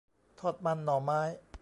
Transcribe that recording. ทอดมันหน่อไม้